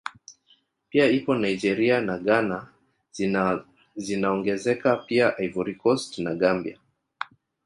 Pia ipo Nigeria na Ghana zinaongezeka pia Ivory Cost na Gambia